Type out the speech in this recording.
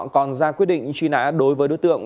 còn ra quyết định truy nã đối với đối tượng